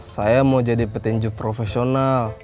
saya mau jadi petinju profesional